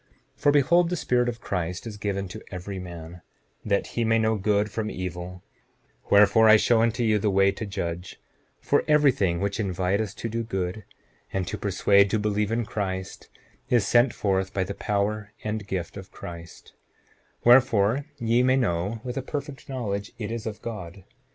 7:16 For behold, the Spirit of Christ is given to every man, that he may know good from evil; wherefore, I show unto you the way to judge; for every thing which inviteth to do good, and to persuade to believe in Christ, is sent forth by the power and gift of Christ; wherefore ye may know with a perfect knowledge it is of God.